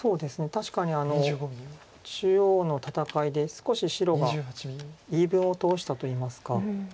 確かに中央の戦いで少し白が言い分を通したといいますか。